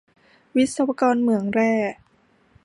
วิศวกรเหมือนแร่